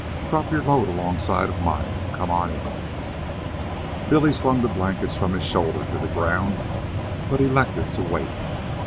Drop your load alongside of mine, and come on in." Billy slung the blankets from his shoulder to the ground, but elected to wait.